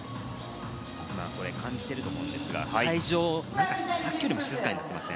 感じていると思いますが会場、さっきよりも静かになっていません？